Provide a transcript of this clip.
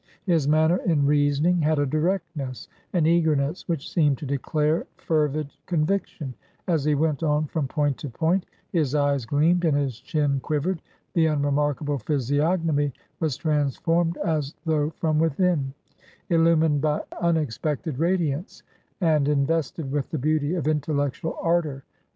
His manner in reasoning had a directness, an eagerness, which seemed to declare fervid conviction; as he went on from point to point, his eyes gleamed and his chin quivered; the unremarkable physiognomy was transformed as though from within; illumined by unexpected radiance, and invested with the beauty of intellectual ardour.